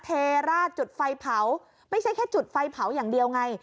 เทราดจุดไฟเผาไม่ใช่แค่จุดไฟเผาอย่างเดียวไง